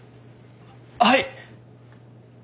はい。